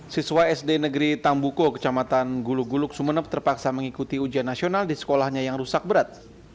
siswa sd negeri tambuko kecamatan gulu guluk sumeneb terpaksa mengikuti ujian nasional di sekolahnya yang rusak berat